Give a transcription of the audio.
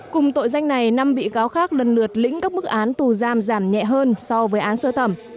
cùng tội danh này năm bị cáo khác lần lượt lĩnh các bức án tù giam giảm nhẹ hơn so với án sơ thẩm